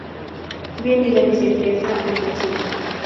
Kipendi kaniset kesa ak ketyen